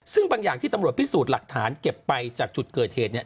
ซึ่งบางอย่างที่ตำรวจพิสูจน์หลักฐานเก็บไปจากจุดเกิดเหตุเนี่ย